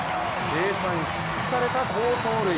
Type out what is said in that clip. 計算し尽くされた好走塁。